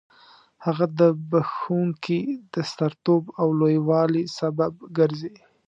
هغه د بخښونکي د سترتوب او لوی والي سبب ګرځي.